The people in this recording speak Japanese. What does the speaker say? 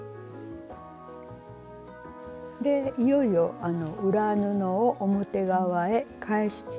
でいよいよ裏布を表側へ返します。